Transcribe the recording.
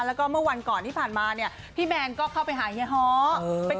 แล้วก็เมื่อวันก่อนที่ผ่านมาเนี่ยพี่แมนก็เข้าไปหาเฮียฮ้อ